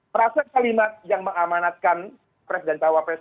prasa kalimat yang mengamanatkan pres dan tawapres